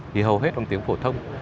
thì hầu hết bằng tiếng phổ thông